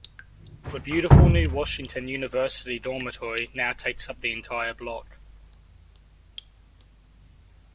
A beautiful new Washington University Dormitory now takes up the entire block.